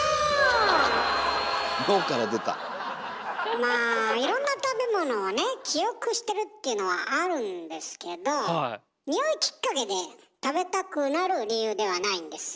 まあいろんな食べ物をね記憶してるっていうのはあるんですけど匂いきっかけで食べたくなる理由ではないんですよ